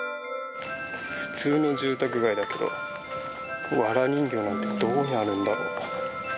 普通の住宅街だけどワラ人形なんてどこにあるんだろう？